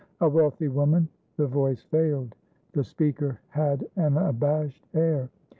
A wealthy woman" The voice failed; the speaker had an abashed air.